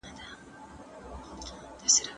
پاڼې څه وخت خپل سر ښکته کړ؟